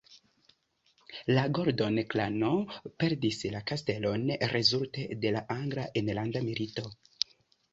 La Gordon-klano perdis la kastelon rezulte de la angla enlanda milito.